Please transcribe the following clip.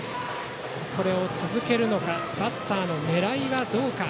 これを続けるのかバッターの狙いはどうか。